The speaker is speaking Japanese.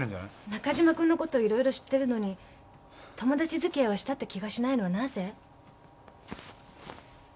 中嶋くんのこといろいろ知ってるのに友達づきあいはしたって気がしないのはなぜ？